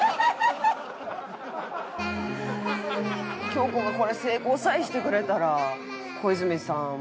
京子がこれ成功さえしてくれたら。